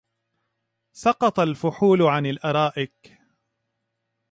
سقط الفحول عن الأرائك